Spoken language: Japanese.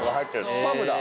スパムだ